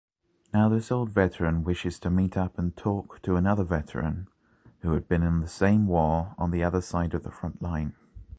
Now this old veteran whishes to meet up and talk to another veteran, who had been in the same war on the other side of the front line.